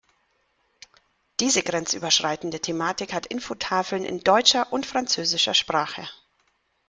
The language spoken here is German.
Diese grenzüberschreitende Thematik hat Infotafeln in deutscher und französischer Sprache.